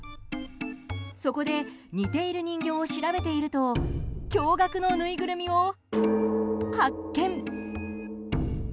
そこで、似ている人形を調べていると驚愕のぬいぐるみを発見。